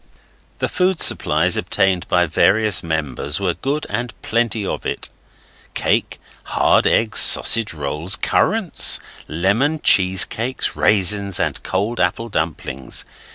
The food supplies obtained by various members were good and plenty of it. Cake, hard eggs, sausage rolls, currants, lemon cheese cakes, raisins, and cold apple dumplings.